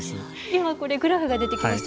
今これグラフが出てきました。